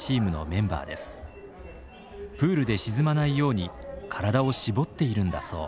プールで沈まないように体を絞っているんだそう。